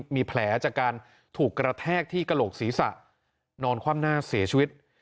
มีแผลจากการถูกกระแทกที่กระโหลกศีรษะนอนคว่ำหน้าเสียชีวิต